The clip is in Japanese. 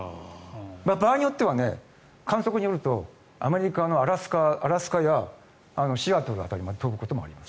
場合によっては観測によるとアメリカのアラスカやシアトル辺りまで飛ぶこともあります。